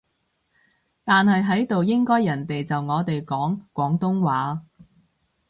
但係喺度應該人哋就我哋講廣東話